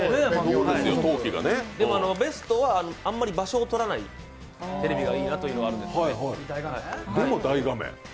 でも、ベストはあんまり場所をとらないテレビがいいなというのはあるんですけど。